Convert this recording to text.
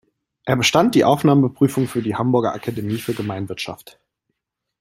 Er bestand die Aufnahmeprüfung für die Hamburger Akademie für Gemeinwirtschaft.